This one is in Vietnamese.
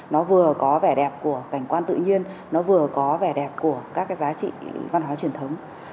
nó vừa có vẻ đẹp của cảnh quan tự nhiên nó vừa có vẻ đẹp của các cái giá trị văn hóa truyền thống